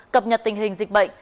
cập nhật tình hình dịch bệnh